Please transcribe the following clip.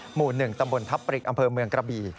หมู่๑ตำบลทับปริกอำเภอเมืองกระบี่